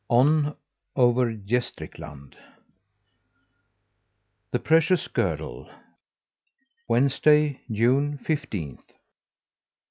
ON OVER GÄSTRIKLAND THE PRECIOUS GIRDLE Wednesday, June fifteenth.